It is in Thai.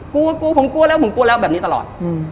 กลัวกลัวผมกลัวแล้วผมกลัวแล้วแบบนี้ตลอด